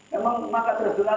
memang makan tradisional itu itulah